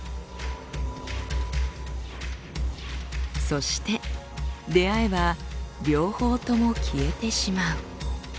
そして出会えば両方とも消えてしまう。